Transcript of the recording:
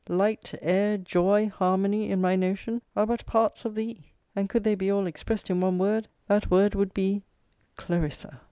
Light, air, joy, harmony, in my notion, are but parts of thee; and could they be all expressed in one word, that word would be CLARISSA.